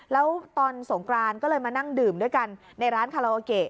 แล้วตอนสงกรานก็เลยมานั่งดื่มด้วยกันในร้านคาราโอเกะ